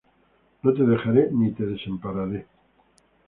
no te dejaré, ni te desampararé.